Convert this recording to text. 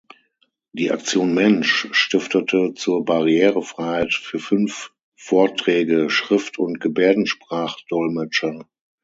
Die Aktion Mensch stiftete zur Barrierefreiheit für fünf Vorträge Schrift- und Gebärdensprachdolmetscher.